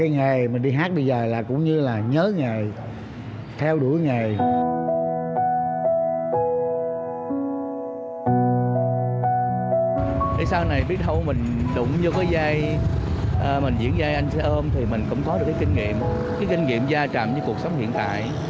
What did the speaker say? nói chung là bệnh viện thuật giải lương là